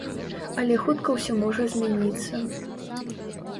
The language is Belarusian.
Але хутка ўсё можа змяніцца.